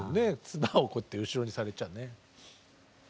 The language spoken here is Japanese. つばをこうやって後ろに下げちゃね。